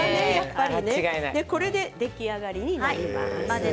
これで出来上がりになります。